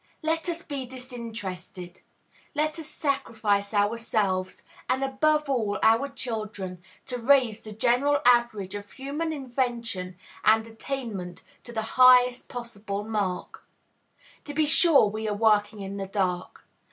Let us be disinterested. Let us sacrifice ourselves, and, above all, our children, to raise the general average of human invention and attainment to the highest possible mark. To be sure, we are working in the dark.